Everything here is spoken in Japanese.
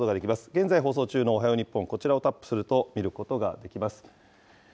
現在放送中のおはよう日本、こちらをタップすると見ることができます。